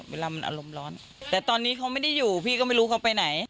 เวลามันอารมณ์ร้อนแต่ตอนนี้เขาไม่ได้อยู่พี่ก็ไม่รู้เขาไปไหน